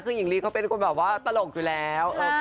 คือหญิงลีเขาเป็นคนแบบว่าตลกอยู่แล้ว